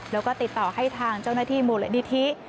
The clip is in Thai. แล้วก็ติดต่อให้ทางเจ้าหน้าที่มูลนิธิ